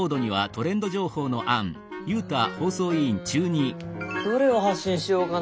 うんどれを発信しようかな？